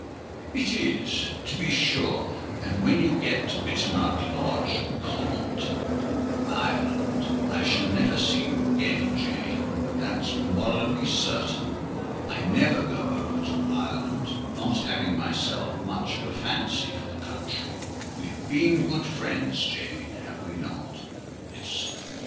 "It is, to be sure; and when you get to Bitternutt Lodge, Connaught, Ireland, I shall never see you again, Jane: that's morally certain. I never go over to Ireland, not having myself much of a fancy for the country. We have been good friends, Jane; have we not?" "Yes, sir."